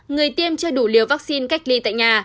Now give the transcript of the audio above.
người tiêm chưa đủ liều vaccine cách ly tại nhà